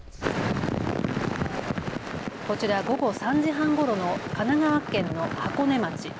こちら午後３時半ごろの神奈川県の箱根町。